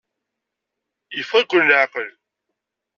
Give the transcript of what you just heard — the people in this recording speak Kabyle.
Yeffeɣ-iken leɛqel?